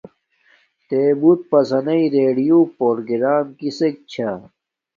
تے بوت پسنݵ ریڈیوں پرگرام کسک چھا۔